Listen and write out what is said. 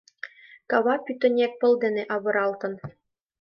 Кава пӱтынек пыл дене авыралтын.